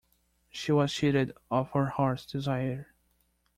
She was cheated of her heart's desire.